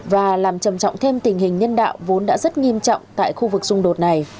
và làm trầm trọng thêm tình hình nhân đạo vốn đã rất nghiêm trọng tại khu vực xung đột này